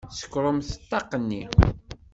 Sekkṛemt ṭṭaq-nni!